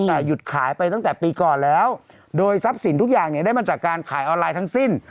แต่หยุดขายไปตั้งแต่ปีก่อนแล้วโดยทรัพย์สินทุกอย่างเนี่ยได้มาจากการขายออนไลน์ทั้งสิ้น